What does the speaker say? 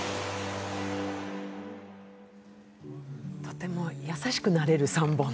とても優しくなれる３本。